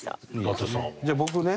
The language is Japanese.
じゃあ僕ね。